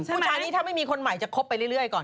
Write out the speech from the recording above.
ผู้ชายนี้ถ้าไม่มีคนใหม่จะคบไปเรื่อยก่อน